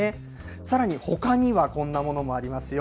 さらにほかには、こんなものもありますよ。